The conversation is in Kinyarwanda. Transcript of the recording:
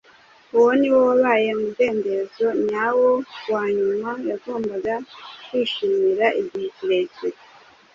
Uwo ni wo wabaye umudendezo nyawo wa nyuma yagombaga kwishimira igihe kirekire.